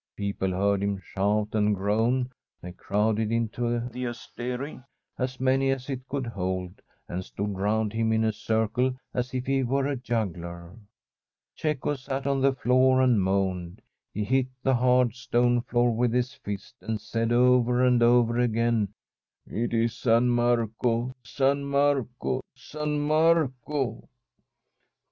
People heard him shout and groan; they crowded into the asteri — as many as it could hold — and stood round him in a circle as if he were a juggler. Cecco sat on the floor and moaned. He hit the hard stone floor with his fist, and said over and over again :* It is San Marco, San Marco, San Marco !